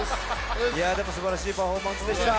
いやでもすばらしいパフォーマンスでした。